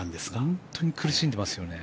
本当に苦しんでますよね。